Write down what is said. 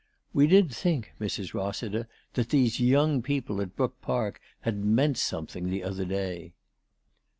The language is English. " We did think, Mrs. Rossiter, that these young people at Brook Park had meant something the other day."